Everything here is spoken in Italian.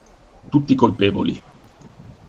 Tutti colpevoli